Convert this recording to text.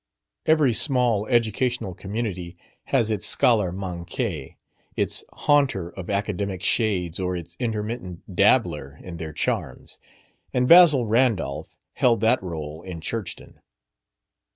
Every small educational community has its scholar manqué its haunter of academic shades or its intermittent dabbler in their charms; and Basil Randolph held that role in Churchton.